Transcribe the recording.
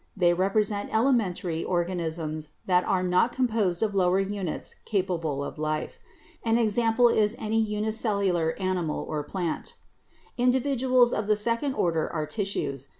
They represent elementary organisms that are not composed of lower units capable of life. An example is any unicellular animal or plant. Individuals of the second order are tissues.